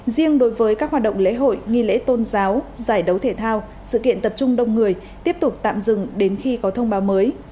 riêng đối với các hoạt động lễ hội nghi lễ tôn giáo giải đấu thể thao sự kiện tập trung đông người tiếp tục tạm dừng đến khi có thông báo mới